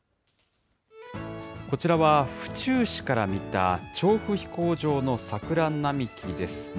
こちらは府中市から見た調布飛行場の桜並木です。